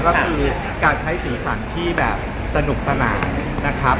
ก็คือการใช้สีสันที่แบบสนุกสนานนะครับ